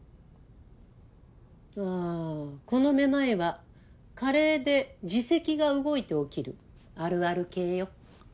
ああこの目まいは加齢で耳石が動いて起きるあるある系よ。